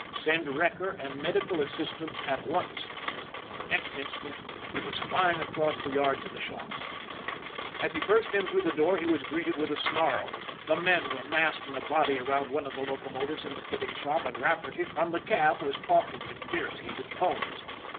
Send wrecker and medical assistance at once." The next instant he was flying across the yard to the shops. As he burst in through the door he was greeted with a snarl. The men were massed in a body around one of the locomotives in the fitting shop, and Raf f erty, from the cab, was talking in fierce, heated tones.